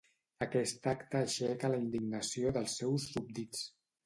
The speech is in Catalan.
Aquest acte aixeca la indignació dels seus súbdits.